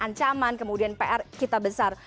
ancaman kemudian pr kita besar